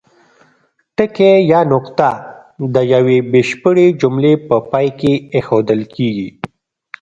ټکی یا نقطه د یوې بشپړې جملې په پای کې اېښودل کیږي.